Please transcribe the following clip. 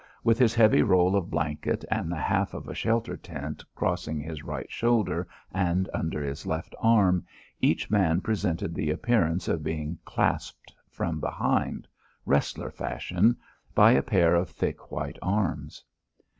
With his heavy roll of blanket and the half of a shelter tent crossing his right shoulder and under his left arm, each man presented the appearance of being clasped from behind, wrestler fashion, by a pair of thick white arms.